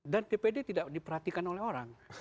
dan dpr dpr tidak diperhatikan oleh orang